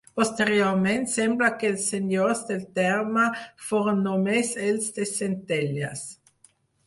Posteriorment, sembla que els senyors del terme foren només els de Centelles.